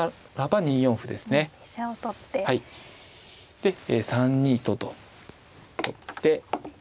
で３二とと取って。